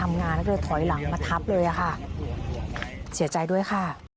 พ่อคงเอาก้อนอิดไปถ่วงไว้ตรงคันเร่งจั๊มแบบนี้